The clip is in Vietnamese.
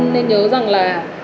nên nhớ rằng là